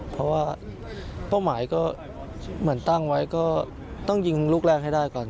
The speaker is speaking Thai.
เพราะว่าเป้าหมายก็เหมือนตั้งไว้ก็ต้องยิงลูกแรกให้ได้ก่อน